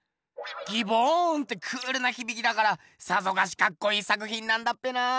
ギボーンってクールなひびきだからさぞかしかっこいい作品なんだっぺな。